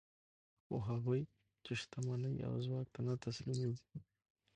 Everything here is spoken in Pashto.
خو هغوی چې شتمنۍ او ځواک ته نه تسلیمېږي